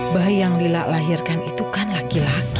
bayi yang lila lahirkan itu kan laki laki